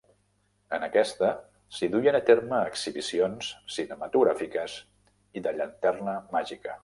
En aquesta s'hi duien a terme exhibicions cinematogràfiques i de llanterna màgica.